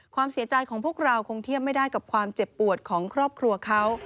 ความเสียใจของพวกเราคงเทียบไม่ได้กับความเจ็บปวดของครอบครัวเขา